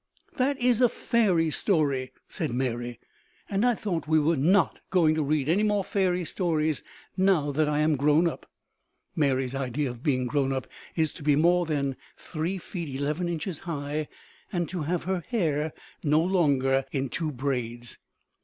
"That is a fairy story," said Mary, "and I thought we were not going to read any more fairy stories now that I am grown up." Mary's idea of being grown up is to be more than three feet eleven inches high and to have her hair no longer in two braids.